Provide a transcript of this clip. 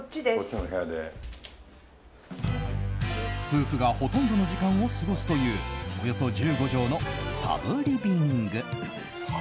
夫婦がほとんどの時間を過ごすというおよそ１５畳のサブリビング。